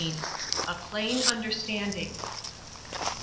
A PLAIN UNDERSTANDING.